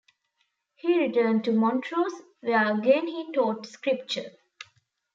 He returned to Montrose, where again he taught Scripture.